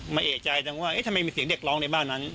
เอกใจจังว่าทำไมมีเสียงเด็กร้องในบ้านนั้น